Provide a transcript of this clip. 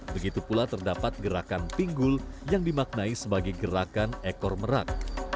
begitu pula terdapat gerakan pinggul yang dimaknai sebagai gerakan ekor merak